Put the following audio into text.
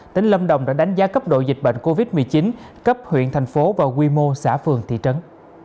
tỉnh lâm đồng đã đánh giá cấp độ dịch bệnh covid một mươi chín cấp huyện thành phố và quy mô xã phường thị trấn